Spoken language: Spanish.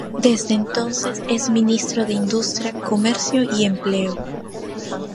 Desde entonces es ministro de Industria, Comercio y Empleo.